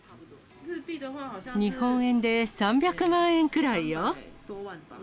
日本円で３００万円くらいよ。